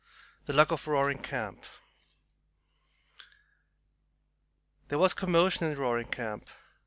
A. THE LUCK OF ROARING CAMP There was commotion in Roaring Camp.